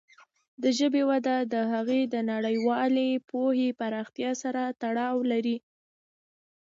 د ژبې وده د هغې د نړیوالې پوهې پراختیا سره تړاو لري.